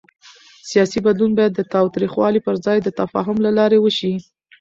سیاسي بدلون باید د تاوتریخوالي پر ځای د تفاهم له لارې وشي